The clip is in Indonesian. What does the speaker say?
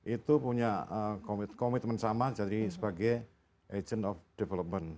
itu punya komitmen sama jadi sebagai agent of development